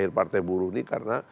karena masalah buruh ini berulang ulang